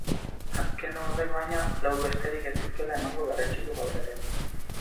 Azken horrek baina, lau besterik ez dizkiola emango berretsi du gaur ere.